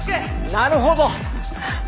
なるほど。